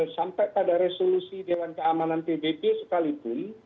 sampai pada resolusi dewan keamanan pbb sekalipun